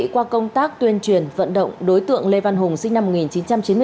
qua công tác tuyên truyền vận động đối tượng lê văn hùng sinh năm một nghìn chín trăm chín mươi bốn